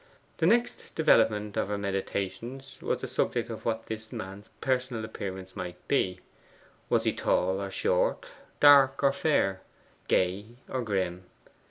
The next development of her meditations was the subject of what this man's personal appearance might be was he tall or short, dark or fair, gay or grim?